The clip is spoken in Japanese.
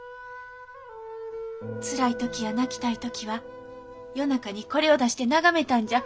つらい時や泣きたい時は夜中にこれを出して眺めたんじゃ。